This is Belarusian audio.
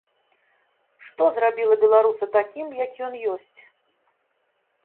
Што зрабіла беларуса такім, які ён ёсць?